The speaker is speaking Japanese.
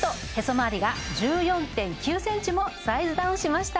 まわりが１４．９センチもサイズダウンしました